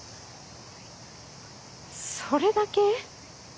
それだけ？